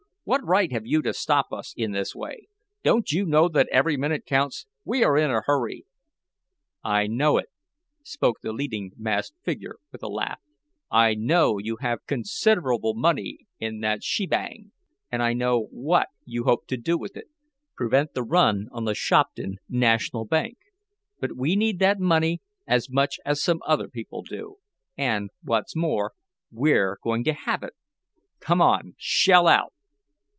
"What right have you to stop us in this way? Don't you know that every minute counts? We are in a hurry." "I know it," spoke the leading masked figure with a laugh. "I know you have considerable money in that shebang, and I know what you hope to do with it, prevent the run on the Shopton National Bank. But we need that money as much as some other people and, what's more, we're going to have it! Come on, shell out!"